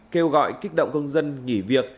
kêu gọi kích động công dân nghỉ việc